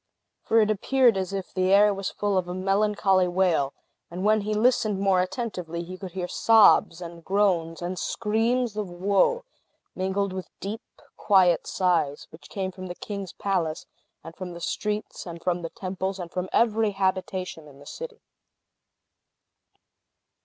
For it appeared as if the air was full of a melancholy wail; and when he listened more attentively, he could hear sobs, and groans, and screams of woe, mingled with deep, quiet sighs, which came from the king's palace, and from the streets, and from the temples, and from every habitation in the city.